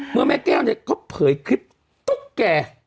แม่แก้วเนี่ยเขาเผยคลิปตุ๊กแก่